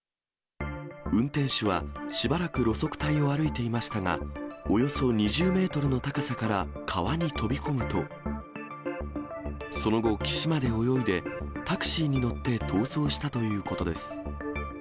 運転手は、しばらく路側帯を歩いていましたが、およそ２０メートルの高さから川に飛び込むと、その後、岸まで泳いで、タクシーに乗って逃走したということです。